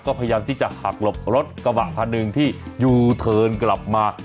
ก็พยายามที่จะหักหลบรถกระบะคันหนึ่งที่ยูเทิร์นกลับมา